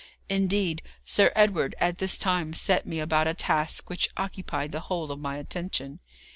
Indeed, Sir Edward at this time set me about a task which occupied the whole of my attention.